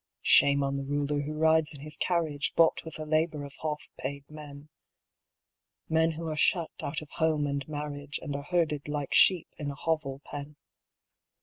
Shame on the ruler who rides in his carriage Bought with the labour of half paid men Men who are shut out of home and marriage And are herded like sheep in a hovel pen.